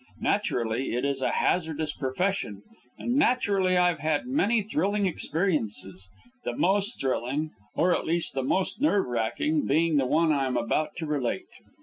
Naturally it is a hazardous profession, and naturally I have had many thrilling experiences, the most thrilling, or at least the most nerve racking, being the one I am about to relate.